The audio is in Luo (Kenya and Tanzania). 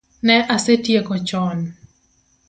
Ne a setieko chon